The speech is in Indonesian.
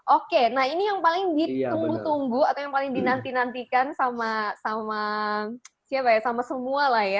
oke nah ini yang paling ditunggu tunggu atau yang paling dinantikan sama sama siapa ya sama semua lah ya